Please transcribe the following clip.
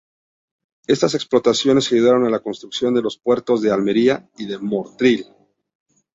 Estas explotaciones ayudaron a la construcción de los puertos de Almería, y de Motril.